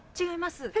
違います。